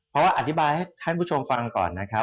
เพราะว่าอธิบายให้ท่านผู้ชมฟังก่อนนะครับ